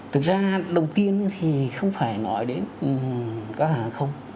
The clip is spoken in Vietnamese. thực ra đầu tiên thì không phải nói đến các hàng không